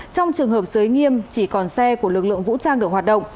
trong trường hợp giới nghiêm chỉ còn xe của lực lượng vũ trang được hoạt động